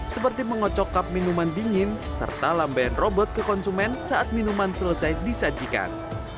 seperti mengocok kap minuman dingin serta lambaian robot ke konsumen saat minuman selesai disajikan